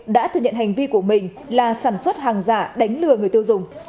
đã thừa nhận hành vi của mình là sản xuất hàng giả đánh lừa người tiêu dùng